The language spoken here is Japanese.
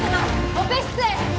オペ室へ！